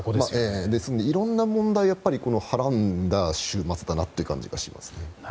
いろいろな問題をはらんだ週末だなという感じがします。